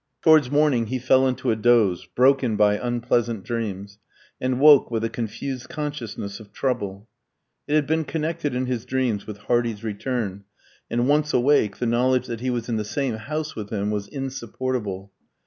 Towards morning he fell into a doze, broken by unpleasant dreams, and woke with a confused consciousness of trouble. It had been connected in his dreams with Hardy's return, and, once awake, the knowledge that he was in the same house with him was insupportable.